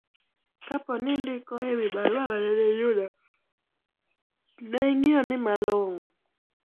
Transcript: kapo ni indiko e wi barua manene iyudo, ne ni ing'iyo malong'o